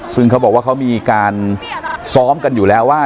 ซึ่งเขาบอกว่าเขามีการซ้อมกันอยู่แล้วว่า